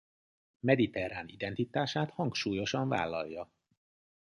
Mediterrán identitását hangsúlyosan vállalja.